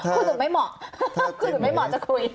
คุณสุดไม่เหมาะคุณสุดไม่เหมาะจะคุยใช่ไหม